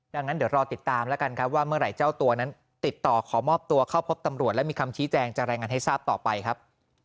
ดังนั้นเดี๋ยวรอติดตามแล้วกันครับว่าเมื่อไหร่เจ้าตัวนั้นติดต่อขอมอบตัวเข้าพบตำรวจและมีคำชี้แจงจะรายงานให้ทราบต่อไปครับ